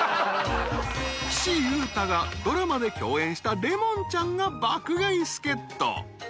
［岸優太がドラマで共演したレモンちゃんが爆買い助っ人］